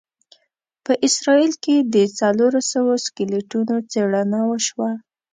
په اسرایل کې د څلوروسوو سکلیټونو څېړنه وشوه.